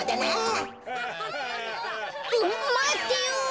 まってよ。